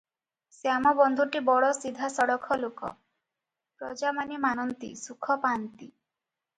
ଶ୍ୟାମବନ୍ଧୁଟି ବଡ଼ ସିଧା ସଳଖ ଲୋକ, ପ୍ରଜାମାନେ ମାନନ୍ତି, ସୁଖ ପା’ନ୍ତି।